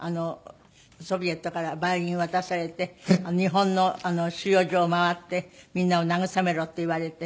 ソビエトからバイオリン渡されて「日本の収容所を回ってみんなを慰めろ」って言われて。